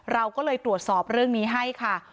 เราก็เลยตรวจสอบเรื่องนี้ให้ค่ะ